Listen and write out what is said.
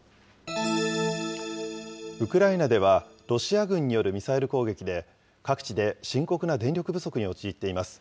ウクライナでは、ロシア軍によるミサイル攻撃で、各地で深刻な電力不足に陥っています。